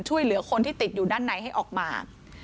ช่วยเหลือคนที่ติดอยู่ด้านในให้ออกมา